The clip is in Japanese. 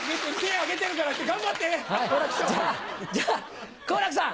じゃあ、じゃあ、好楽さん。